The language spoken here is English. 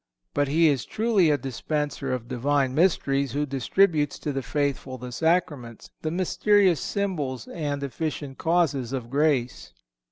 But he is truly a dispenser of Divine mysteries who distributes to the faithful the Sacraments, the mysterious symbols and efficient causes of grace.